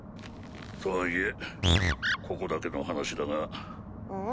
とはいえここだけの話だが。